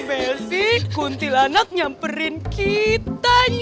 bume sih kuntilanak nyamperin kitanya